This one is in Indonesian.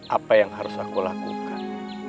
apa yang harus aku lakukan